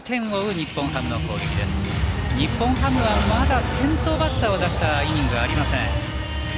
日本ハムはまだ先頭バッターを出したイニングはありません。